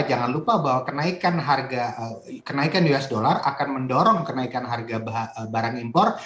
jangan lupa bahwa kenaikan harga kenaikan us dollar akan mendorong kenaikan harga barang impor